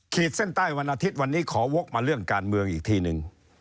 เส้นใต้วันอาทิตย์วันนี้ขอวกมาเรื่องการเมืองอีกทีนึง